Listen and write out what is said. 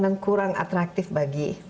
dan kurang atraktif bagi